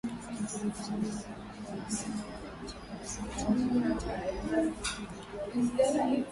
na televisheni viongozi wa salat wa msikiti mkuu katika kila mji jaji